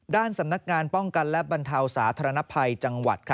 ด้านสำนักงานป้องกันและบรรเทาสาธารณภัยจังหวัด